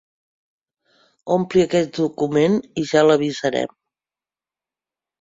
Ompli aquest document i ja l'avisarem.